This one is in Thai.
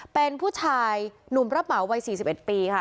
เป็นผู้ชายหนุ่มรับเหมาวัย๔๑ปีค่ะ